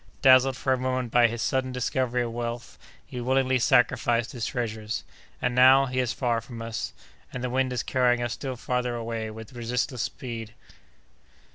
Dazzled for a moment by his sudden discovery of wealth, he willingly sacrificed his treasures! And now, he is far from us; and the wind is carrying us still farther away with resistless speed!"